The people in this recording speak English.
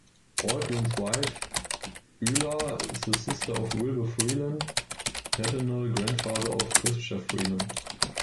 Baldwin's wife Beulah is the sister of Wilbur Freeland, paternal grandfather of Chrystia Freeland.